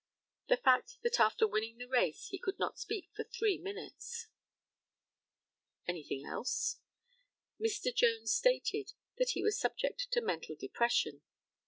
The fact that after winning the race he could not speak for three minutes. Anything else? Mr. Jones stated that he was subject to mental depression.